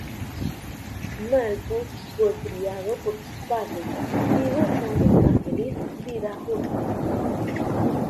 Marcus fue criado por sus padres, y gozan de una feliz vida juntos.